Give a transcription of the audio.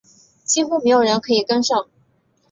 几乎没有人可以跟上